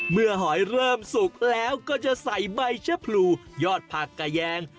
หอยเริ่มสุกแล้วก็จะใส่ใบชะพรูยอดผักกระแยง